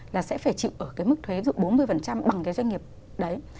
là sẽ phải chịu ở mức thuế bốn mươi bằng cái doanh nghiệp đấy